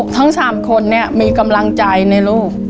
ทั้งสามคนมีกำลังใจในลูก